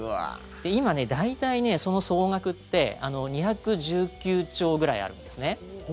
今、大体その総額って２１９兆ぐらいあるんですね。